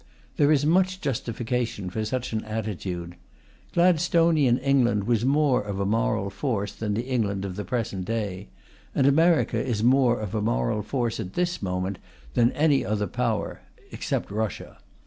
There is much justification for such an attitude. Gladstonian England was more of a moral force than the England of the present day; and America is more of a moral force at this moment than any other Power (except Russia).